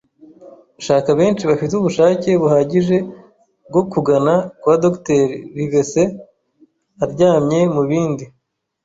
shaka benshi bafite ubushake buhagije bwo kugana kwa Dr. Livesey, aryamye mubindi